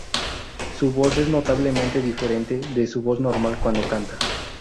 Su voz es tan notablemente diferente de su voz normal cuando canta.